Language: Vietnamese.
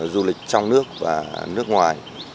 du lịch trong nước và nước ngoài